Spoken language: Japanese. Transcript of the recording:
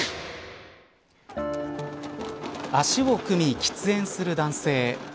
足を組み喫煙する男性。